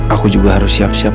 aku juga harus siap siap